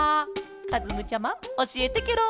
かずむちゃまおしえてケロ！